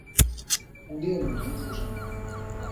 弘定五年出生。